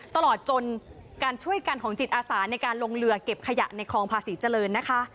ตลอดจนการช่วยกันของจิตอาสาในการลงเรือเก็บขยะในคลองภาษีเจริญนะคะ